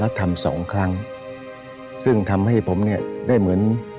แล้วทำสองครั้งซึ่งทำให้ผมเนี่ยได้เหมือน